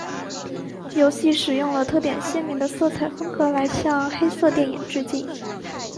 游戏使用了特点鲜明的色彩风格来向黑色电影致敬。